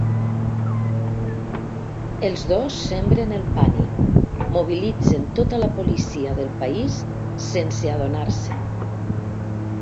Els dos sembren el pànic, mobilitzen tota la policia del país sense adonar-se'n.